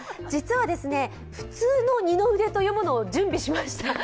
実は普通の二の腕というものを準備しました。